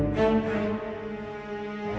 selamat ya fem